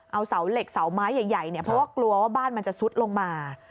เอาเสาเหล็กเสาไม้ใหญ่เนี่ยเพราะว่ากลัวว่าบ้านมันจะซุดลงมา